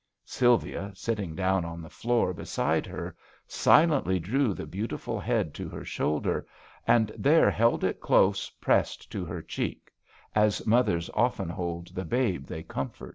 Sylvia, sitting down on the floor beside her, silently drew the beautiful head to her shoulder, and there held it close pressed to her cheek, as mothers often bold the babe they comfort.